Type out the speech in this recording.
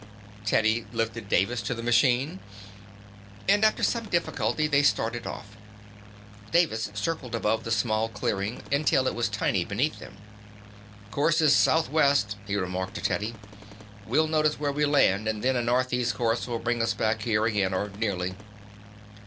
Teddy lifted Davis in the machine, and after some difficulty they started off. Davis circled above the small clearing until it was tiny beneath them. "Course is southwest," he remarked to Teddy. "We'll notice where we land and then a northeast course will bring us back here again or nearly."